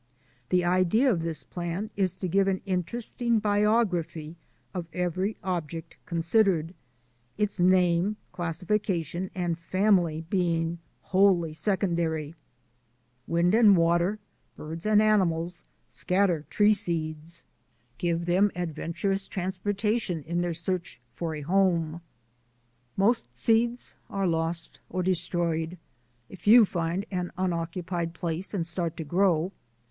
The idea of this plan is to give an interesting biography of every object considered — its name, classification, and family being wholly secondary. Wind and water, birds and animals, scatter tree seeds — give them adventurous transportation in THE EVOLUTION OF NATURE GUIDING 251 their search for a home. Most seeds are lost or destroyed. A few find an unoccupied place and start to grow.